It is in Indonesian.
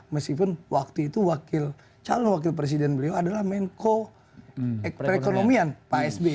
meskipun waktu itu calon wakil presiden beliau adalah menko perekonomian pak sby